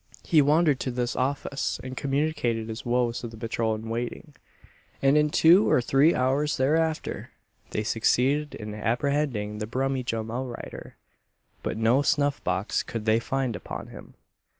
He wandered to this office, and communicated his woes to the patrol in waiting; and in two or three hours thereafter they succeeded in apprehending the "Brummyjum outrider," but no snuff box could they find upon him.